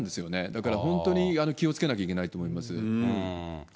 だから本当に気をつけなきゃいけないと思います。